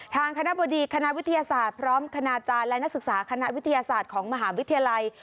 ทางคณะบดีคณะวิทยาศาสตร์พร้อมคณาจารย์และนักศึกษาคณะวิทยาศาสตร์ของมหาวิทยาลัย